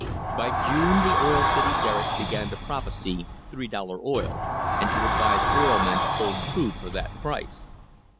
By June the Oil City Derrick began to prophesy "three dollar oil" and to advise oil men to hold crude for that price.